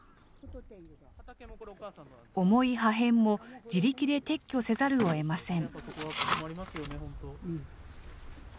重い破片も自力で撤去せざるをえません。